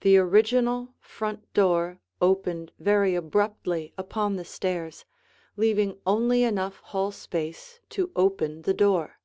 The original front door opened very abruptly upon the stairs, leaving only enough hall space to open the door.